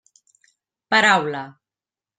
Paraula.